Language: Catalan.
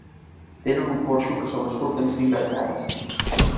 Tenen un porxo que sobresurt amb cinc arcades.